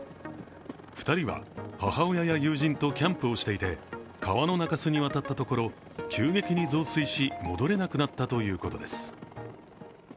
２人は母親や友人とキャンプをしていて川の中州に渡ったところ急激に増水し戻れなくなったということです。